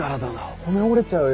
骨折れちゃうよ。